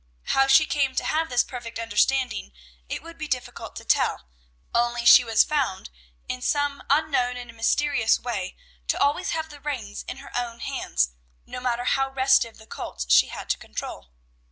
How she came to have this perfect understanding it would be difficult to tell, only she was found, in some unknown and mysterious way, to always have the reins in her own hands, no matter how restive the colts she had to control.